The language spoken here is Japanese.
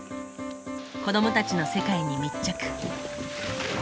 子どもたちの世界に密着。